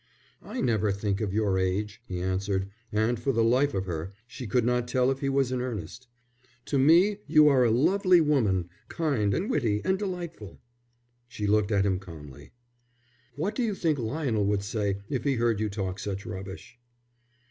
"I never think of your age," he answered, and for the life of her she could not tell if he was in earnest. "To me you are a lovely woman, kind and witty and delightful." She looked at him calmly. "What do you think Lionel would say if he heard you talk such rubbish?"